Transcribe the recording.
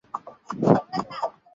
Nasabwa bile miri tafuta kusema